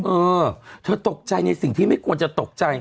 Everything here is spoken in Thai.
เออเธอตกใจในสิ่งที่ไม่ควรจะตกใจ